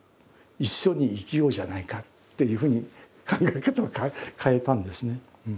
一緒に生きようじゃないか」っていうふうに考え方を変えたんですね。